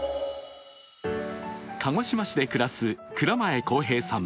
鹿児島市で暮らす倉前幸平さん